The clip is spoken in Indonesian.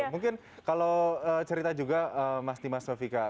mungkin kalau cerita juga mas dimas taufika